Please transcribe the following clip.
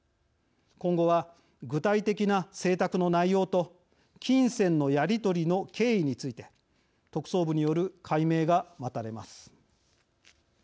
今後は、具体的な請託の内容と金銭のやり取りの経緯について特捜部による解明が待たれます。